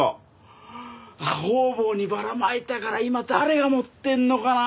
方々にばらまいたから今誰が持ってるのかなあ？